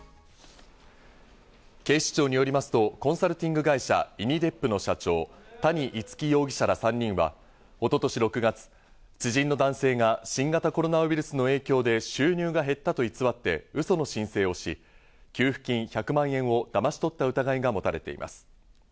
警視庁によりますと、コンサルティング会社ｉＮｉＤＥＰの社長・谷逸輝容疑者ら３人は一昨年６月、知人の男性が新型コロナウイルスの影響で収入が減ったと偽ってウソの申請をし、給付金１００万円をだまし取った疑いが持たれています。